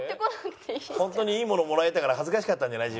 本当にいいものをもらえたから恥ずかしかったんじゃない？